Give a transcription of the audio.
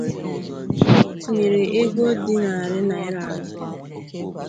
nke ọ tụnyere ego dị narị naịra anọ.